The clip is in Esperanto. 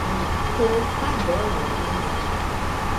"Ho, pardonu min.